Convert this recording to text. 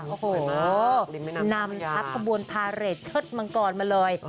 โอ้โหนำทัพขบวนพาเรทเชิดมังกรมาเลย